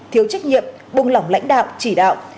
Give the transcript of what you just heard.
thiếu trách nhiệm bùng lỏng lãnh đạo chỉ đạo